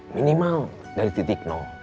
minimal dari titik